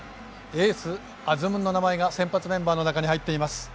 エース、アズムンの名前が先発メンバーに入っています。